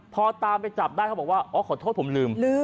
พอตามไปจับได้เขาบอกว่าอ๋อขอโทษผมลืม